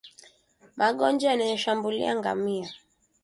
Magonjwa yanayoshambulia ngamia